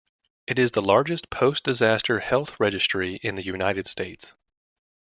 It is the largest post-disaster health registry in the United States.